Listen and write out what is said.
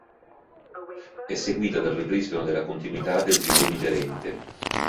È seguita dal ripristino della continuità del tubo digerente.